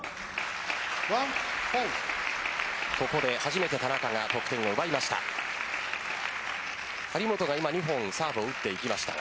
ここで初めて田中が得点を奪いました。